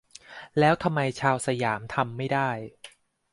แล้วทำไมชาวสยามทำไม่ได้